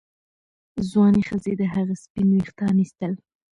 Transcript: ځوانې ښځې د هغه سپین ویښتان ایستل.